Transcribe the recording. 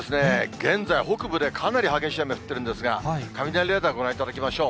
現在、北部でかなり激しい雨降っているんですが、雷レーダーご覧いただきましょう。